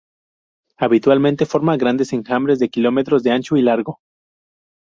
Habitualmente forma grandes enjambres de kilómetros de ancho y largo.